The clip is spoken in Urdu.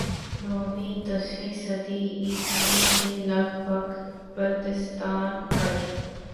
نویں دسویں صدی عیسوی کے لگ بھگ بلتستان پر